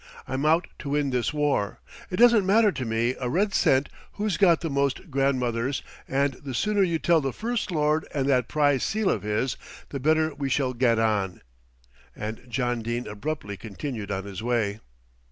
I'm out to win this war; it doesn't matter to me a red cent who's got the most grandmothers, and the sooner you tell the First Lord and that prize seal of his, the better we shall get on;" and John Dene abruptly continued on his way.